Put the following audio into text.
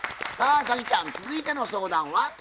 さあ早希ちゃん続いての相談は？